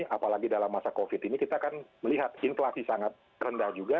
apalagi dalam masa covid ini kita akan melihat inflasi sangat rendah juga